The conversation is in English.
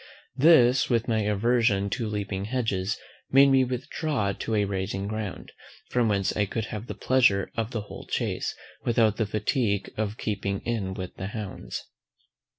This, with my aversion to leaping hedges, made me withdraw to a rising ground, from whence I could have the pleasure of the whole chase, without the fatigue of keeping in with the hounds.